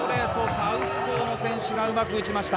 サウスポーの選手がうまく打ちました。